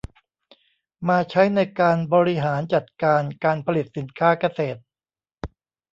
มาใช้ในการบริหารจัดการการผลิตสินค้าเกษตร